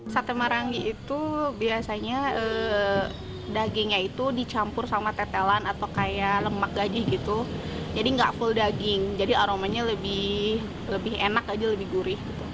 sate marangi itu biasanya dagingnya itu dicampur sama tetelan atau kayak lemak gaji gitu jadi nggak full daging jadi aromanya lebih enak gaji lebih gurih